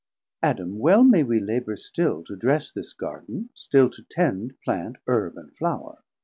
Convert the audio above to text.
Adam, well may we labour still to dress This Garden, still to tend Plant, Herb and Flour.